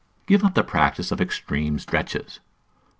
Give up the practice of extreme stretches.